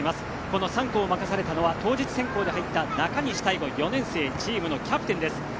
この３区を任されたのは当日変更で入った中西大翔、４年生チームのキャプテンです。